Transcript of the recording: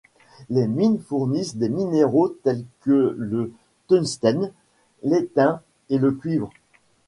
Les mines fournissent des minéraux tels que le tungstène, l'étain et le cuivre.